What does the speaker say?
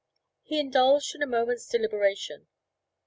He indulged in a moment's deliberation.